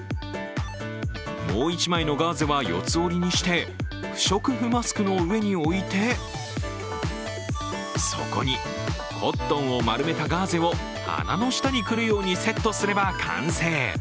もう１枚のガーゼは四つ折りにして不織布マスクの上に置いてそこに、コットンを丸めたガーゼを鼻の下に来るようにセットすれば完成。